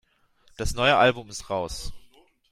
Das neue Album ist raus.